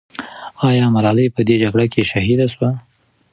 آیا ملالۍ په دې جګړه کې شهیده سوه؟